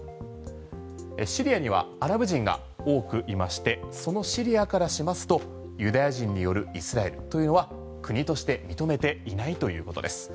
シリアにはアラブ人が多くいましてそのシリアからしますとユダヤ人によるイスラエルというのは国として認めていないということです。